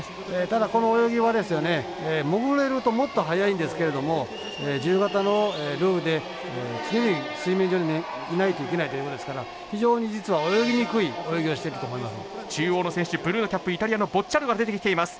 ただ、この泳ぎは潜れるともっと速いんですけど自由形のルールで常に水面上にいないといけないということですから非常に実は泳ぎにくい中央の選手ブルーのキャップイタリアのボッチャルドが出てきています。